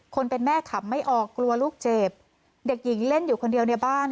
คนเป็นแม่ขำไม่ออกกลัวลูกเจ็บเด็กหญิงเล่นอยู่คนเดียวในบ้าน